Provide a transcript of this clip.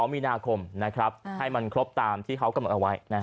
๒๒มีนาคมนะครับให้มันครบตามที่เขากำหนดเอาไว้นะฮะ